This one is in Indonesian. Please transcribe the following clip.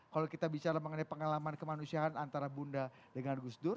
kalau kita bicara mengenai pengalaman kemanusiaan antara bunda dengan gus dur